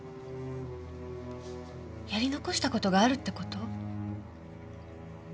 やり残したことがあるってこと？